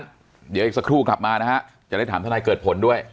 เดี๋ยวอีกสักครู่กลับมานะฮะจะได้ถามทนายเกิดผลด้วย